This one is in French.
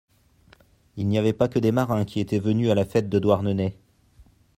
Il n'y avait pas que des marins qui étaient venus à la fête de Douarnenez.